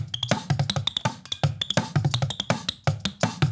เพื่อสนับสนุนที่สุดท้าย